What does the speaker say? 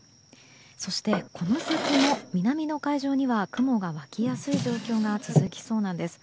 そして、この先も南の海上には雲が湧きやすい状況が続きそうなんです。